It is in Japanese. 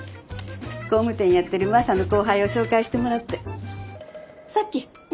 工務店やってるマサの後輩を紹介してもらってさっき申し込んできた。